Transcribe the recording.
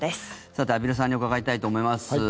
さて、畔蒜さんに伺いたいと思います。